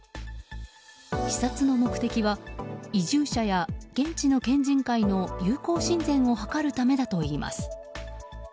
視察の目的は移住者や現地の県人界の友好親善を図るためだといいます。